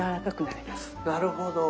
なるほど。